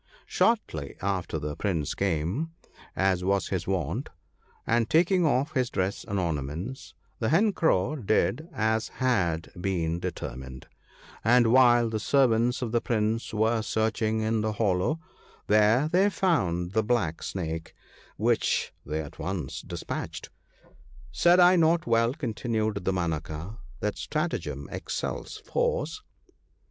Shortly after the Prince came, as was his wont, and taking off his dress and ornaments, the Hen Crow did as had been determined ; and while the servants of the Prince were searching in the hollow, there they found the Black Snake, which they at once dispatched. ' Said I not well,' continued Damanaka, * that stratagem excels force